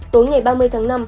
tối ngày ba mươi tháng năm